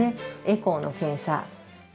エコーの検査。